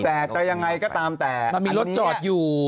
แต่จะยังไงก็ตามแต่มันมีรถจอดอยู่